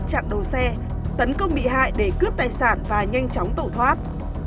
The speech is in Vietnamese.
chặn đầu xe tấn công bị hại để cướp tài sản và nhanh chóng tẩu thoát